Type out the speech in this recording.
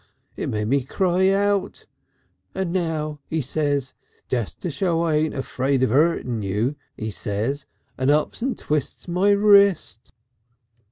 It made me cry out. 'And now,' he says, 'just to show I ain't afraid of 'urting you,' he says, and ups and twists my wrist."